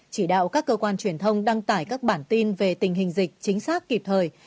chỉ đạo các cơ quan truyền thông đăng tải các bản tin về tình hình dịch chính xác kịp thời